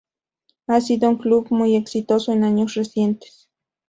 Ha sido un club muy exitoso en años recientes.